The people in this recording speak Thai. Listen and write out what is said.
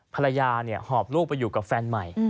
หอบลูกไปอยู่กับแฟนใหม่